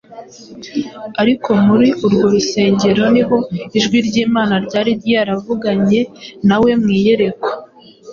ariko muri urwo rusengero ni ho ijwi ry’Imana ryari ryaravuganye nawe mu iyerekwa